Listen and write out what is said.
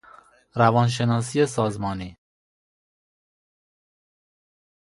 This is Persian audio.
روان شناسی سازمانی